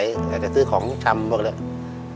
อย่างเที่ยวซื้อของชำพวกแบบเนี่ย